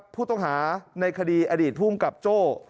ผู้ต้องหาในคดีอดีตภูมิกับโจ้